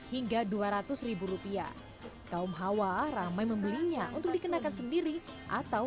hingga dua ratus rupiah kaum hawa ramai membelinya untuk dikenakan sendiri atau